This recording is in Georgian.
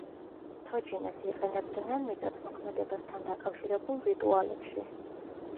თოჯინას იყენებდნენ მიწათმოქმედებასთან დაკავშირებულ რიტუალებში.